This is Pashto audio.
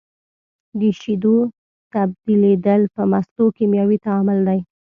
د شیدو تبدیلیدل په مستو کیمیاوي تعامل دی.